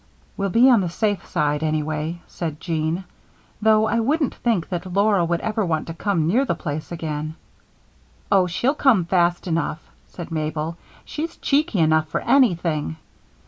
"We'll be on the safe side, anyway," said Jean. "Though I shouldn't think that Laura would ever want to come near the place again." "Oh, she'll come fast enough," said Mabel. "She's cheeky enough for anything.